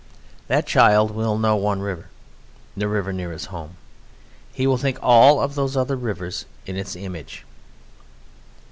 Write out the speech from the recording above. That child will know one river, the river near his home. And he will think of all those other rivers in its image.